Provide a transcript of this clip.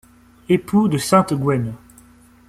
Époux de sainte Gwenn.